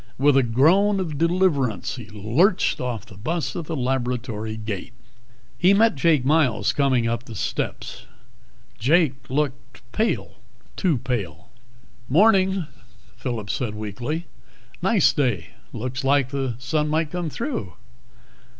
With a groan of deliverance he lurched off the bus at the laboratory gate. He met Jake Miles coming up the steps. Jake looked pale, too pale. "Morning," Phillip said weakly. "Nice day. Looks like the sun might come through."